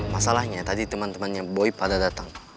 masalahnya tadi temen temennya boy pada datang